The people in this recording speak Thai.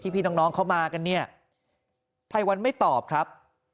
พี่น้องเขามากันเนี่ยภัยวันไม่ตอบครับ